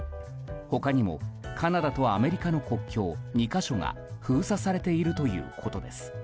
他にもカナダとアメリカの国境２か所が封鎖されているということです。